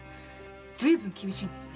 随分厳しいんですね。